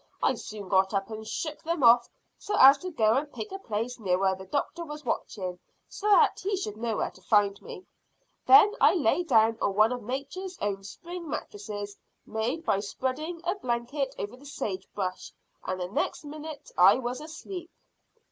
I soon got up and shook them off so as to go and pick a place near where the doctor was watching, so that he should know where to find me. Then I lay down on one of nature's own spring mattresses, made by spreading a blanket over the sage brush, and the next minute I was asleep."